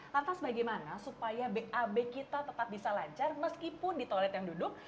lantas bagaimana supaya bab kita tetap bisa lancar meskipun di toilet yang duduk